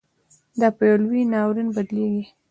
دا پـه يـو لـوى نـاوريـن بـدليږي.